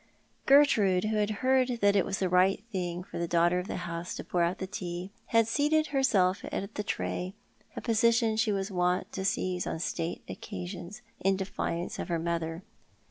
Gertrude, who had heard that it was the right thing for the daTighter of the house to i^our out the tea, had seated herself at the tray, a position she was wont to seize on state occasions^ in defiance of her mother.